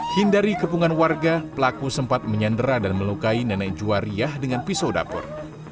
hindari kepungan warga pelaku sempat menyandera dan melukai nenek juwariah dengan pisau dapur